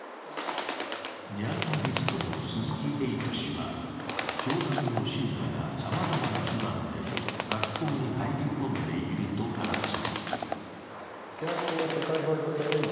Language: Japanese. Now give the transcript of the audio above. ジャーナリストの鈴木エイト氏は、教団の信者がさまざまな手段で学校に入り込んでいると話す。